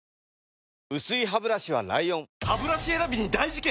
薄いハブラシは ＬＩＯＮハブラシ選びに大事件！